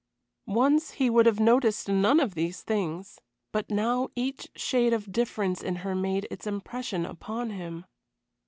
Once he would have noticed none of these things, but now each shade of difference in her made its impression upon him.